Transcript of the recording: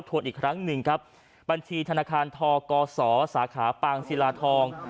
วนอีกครั้งหนึ่งครับบัญชีธนาคารทกศสาขาปางศิลาทอง